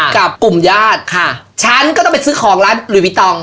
กับกลุ่มญาติค่ะฉันก็ต้องไปซื้อของร้านลุยพี่ตอง